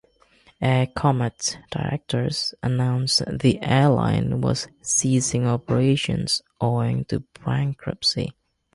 Air Comet's directors announced the airline was ceasing operations owing to bankruptcy.